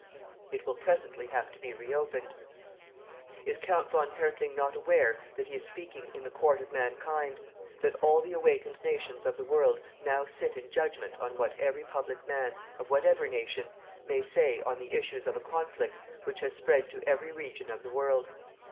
It will presently have to be re opened. "Is Count von Hertling not aware that he is speaking in the court of mankind, that all the awakened nations of the world now sit in judgment on what every public man, of whatever nation, may say on the issues of a conflict which has spread to every region of the world?